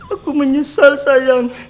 aku menyesal sayang